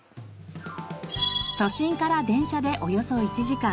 都心から電車でおよそ１時間。